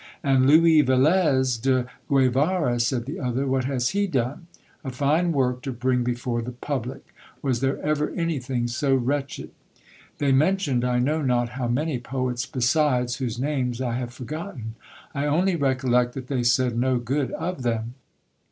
And Louis Velez de Guevara, said the other, what has he done ? A fine work to bring before the public ! Was there ever anything so wretched ? They mentioned I know not how many poets besides, whose names I have forgotten : I only recollect that they said no good of them.